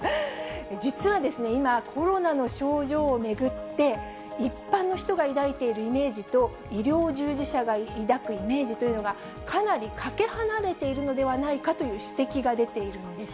実はですね、今、コロナの症状を巡って、一般の人が抱いているイメージと医療従事者が抱くイメージというのが、かなりかけ離れているのではないかという指摘が出ているんです。